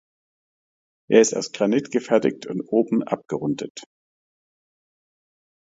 Er ist aus Granit gefertigt und oben abgerundet.